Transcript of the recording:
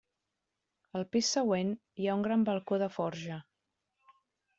Al pis següent, hi ha un gran balcó de forja.